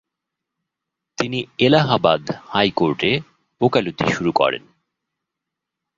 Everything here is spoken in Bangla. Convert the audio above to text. তিনি এলাহাবাদ হাইকোর্টে ওকালতি শুরু অরেন।